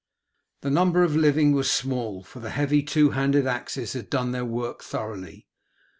The number of living was small, for the heavy two handed axes had done their work thoroughly.